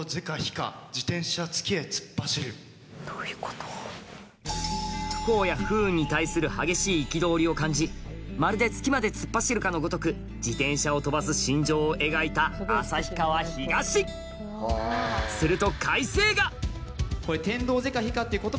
だが不幸や不運に対する激しい憤りを感じまるで月まで突っ走るかのごとく自転車を飛ばす心情を描いた旭川東田さん。